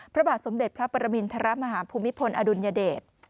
พระบาทสมเด็จพระปรมินทรมาฮภูมิพลอดุลยเดช